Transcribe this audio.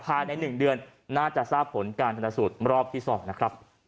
ภายใน๑เดือนน่าจะทราบผลการชนสูตรรอบที่๒นะครับ